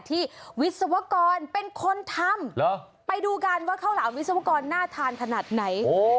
วิศวกรเป็นคนทำไปดูกันว่าข้าวหลามวิศวกรน่าทานขนาดไหน